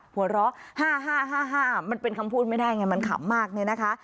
หัวเราะ๕๕๕มันเป็นคำพูดไม่ได้ไงมันขำมากเนี่ยนะคะ